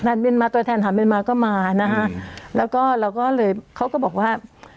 เมียนมาตัวแทนถามเมียนมาก็มานะคะแล้วก็เราก็เลยเขาก็บอกว่า